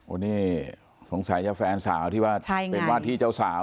อันนี้สงสัยจะแฟนสาวที่ว่าเป็นวาดที่เจ้าสาว